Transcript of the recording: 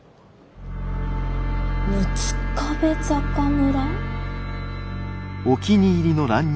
「六壁坂村」？